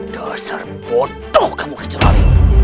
dasar bodoh kamu kicurali